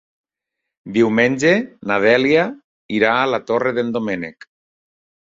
Diumenge na Dèlia irà a la Torre d'en Doménec.